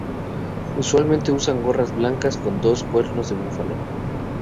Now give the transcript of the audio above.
Usualmente usan gorras blancas con dos cuernos de búfalo.